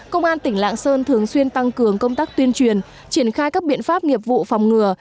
công an tỉnh lạng sơn thường xuyên tăng cường công tác tuyên truyền triển khai các biện pháp nghiệp vụ phòng ngừa